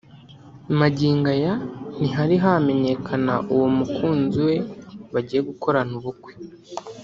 Magingo aya ntihari hamenyekana uwo mukunzi we bagiye gukorana ubukwe